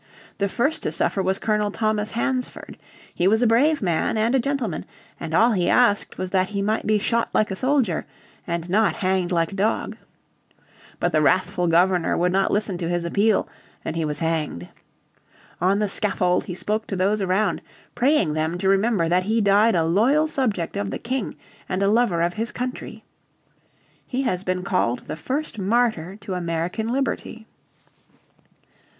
The first to suffer was Colonel Thomas Hansford. He was a brave man and a gentleman, and all he asked was that he might be shot like a soldier, and not hanged like a dog. But the wrathful Governor would not listen to his appeal, and he was hanged. On the scaffold he spoke to those around, praying them to remember that he died a loyal subject of the King, and a lover of his country. He has been called the first martyr to American liberty.